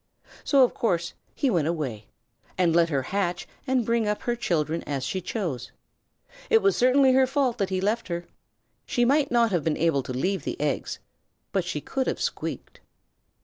So, of course, he went away, and let her hatch and bring up her children as she chose. It was certainly her fault that he left her. She might not have been able to leave the eggs, but she could have squeaked.